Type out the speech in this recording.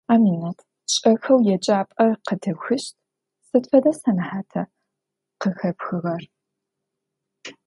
Аминэт, шӀэхэу еджапӀэр къэтыухыщт, сыд фэдэ сэнэхьата къыхэпхыгъэр?